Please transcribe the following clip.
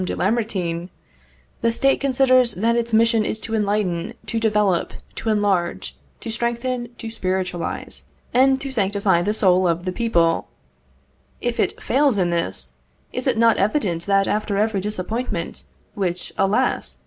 de Lamartine, "the State considers that its mission is to enlighten, to develop, to enlarge, to strengthen, to spiritualize, and to sanctify the soul of the people," if it fails in this, is it not evident that after every disappointment, which, alas!